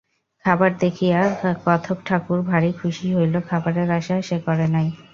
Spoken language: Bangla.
খাবার দেখিয়া কথকঠাকুর ভারি খুশি হইল-খাবারের আশা সে করে নাই।